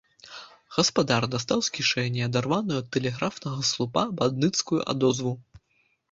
Гаспадар дастаў з кішэні адарваную ад тэлеграфнага слупа бандыцкую адозву.